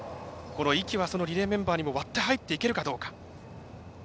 壹岐はリレーメンバーにも割って入っていけるかどうか。